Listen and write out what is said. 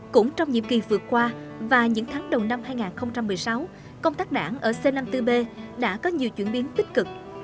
cũng trong nhiệm kỳ vừa qua và những tháng đầu năm hai nghìn một mươi sáu công tác đảng ở c năm mươi bốn b đã có nhiều chuyển biến tích cực